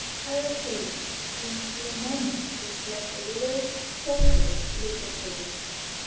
Her face seemed for a moment to reflect the withered, hopeless look of his.